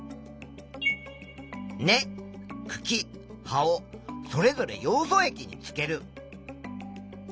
根くき葉をそれぞれヨウ素液につける。